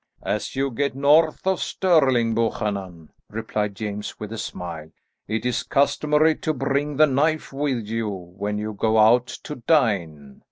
"As you get north of Stirling, Buchanan," replied James with a smile, "it is customary to bring the knife with you when you go out to dine.